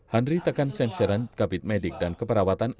handri tekan senseran kapit medik dan keperawatan